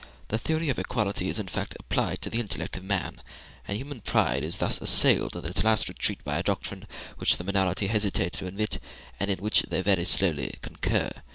The theory of equality is in fact applied to the intellect of man: and human pride is thus assailed in its last retreat by a doctrine which the minority hesitate to admit, and in which they very slowly concur.